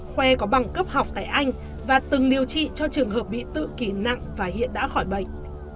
khoe có bằng cấp học tại anh và từng điều trị cho trường hợp bị tự kỳ nặng và hiện đã khỏi bệnh